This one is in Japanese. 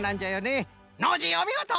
ノージーおみごと！